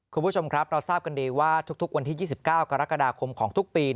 คุณผู้ชมครับเราทราบกันดีว่าทุกวันที่๒๙กรกฎาคมของทุกปี